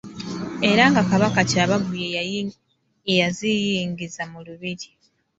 Era nga Kabaka Kyabaggu ye yaziyingiza mu lubiri.